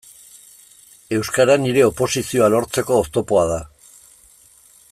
Euskara nire oposizioa lortzeko oztopoa da.